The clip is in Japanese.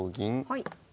はい。